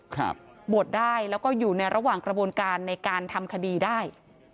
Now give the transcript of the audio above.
บวชได้แล้วก็อยู่ในระหว่างกระบวนการในการทำคดีได้